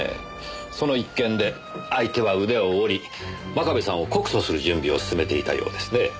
その一件で相手は腕を折り真壁さんを告訴する準備を進めていたようですね。